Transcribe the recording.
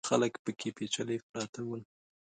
خلک پکې پېچلي پراته ول.